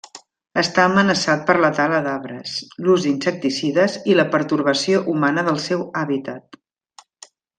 Està amenaçat per la tala d'arbres, l'ús d'insecticides i la pertorbació humana del seu hàbitat.